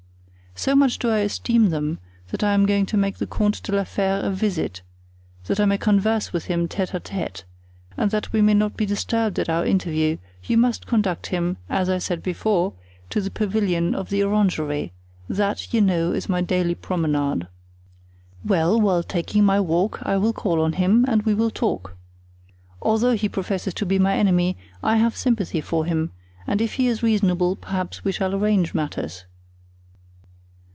So much do I esteem them that I am going to make the Comte de la Fere a visit, that I may converse with him tete a tete, and that we may not be disturbed at our interview you must conduct him, as I said before, to the pavilion of the orangery; that, you know, is my daily promenade. Well, while taking my walk I will call on him and we will talk. Although he professes to be my enemy I have sympathy for him, and if he is reasonable perhaps we shall arrange matters."